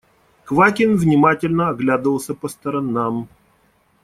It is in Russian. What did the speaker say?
Квакин внимательно оглядывался по сторонам.